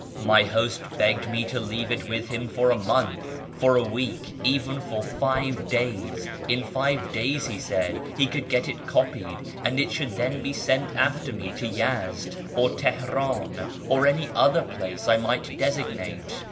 My host begged me to leave it with him for a month, for a week, even for five days ; in five days, he said, he could get it copied, and it should then be sent after me to Yezd, or Teheran, or any other place I might designate.